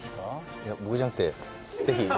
いや僕じゃなくてぜひぜひ。